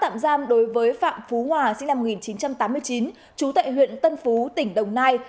năm một nghìn chín trăm tám mươi chín chú tại huyện tân phú tỉnh đồng nai